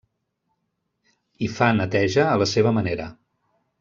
Hi fa neteja a la seva manera.